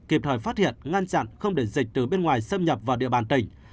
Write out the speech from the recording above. kịp thời phát hiện ngăn chặn không để dịch từ bên ngoài xâm nhập vào địa bàn tỉnh